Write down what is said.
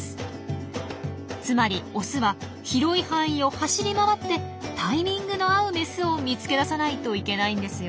つまりオスは広い範囲を走り回ってタイミングの合うメスを見つけ出さないといけないんですよ。